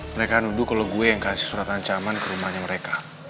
mereka nuduh kalau gue yang kasih surat ancaman ke rumahnya mereka